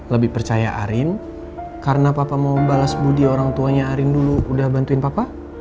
lebih percaya arin karena papa mau balas budi orang tuanya arin dulu udah bantuin papa